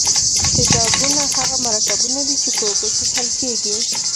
تیزابونه هغه مرکبونه دي چې په اوبو کې حل کیږي.